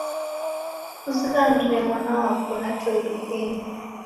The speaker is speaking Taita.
Kunizighanire mwana wapo, natua idukenyi.